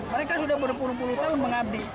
mereka sudah berpuluh puluh tahun mengabdi